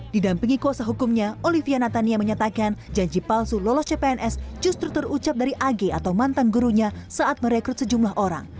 didampingi kuasa hukumnya olivia natania menyatakan janji palsu lolos cpns justru terucap dari ag atau mantan gurunya saat merekrut sejumlah orang